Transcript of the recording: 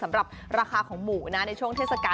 สำหรับราคาของหมู่ในช่วงเทศกาลแบบนี้